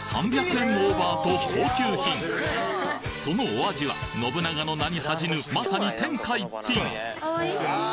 オーバーと高級品そのお味は信長の名に恥じぬまさに天下一品